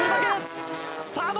さあどうだ？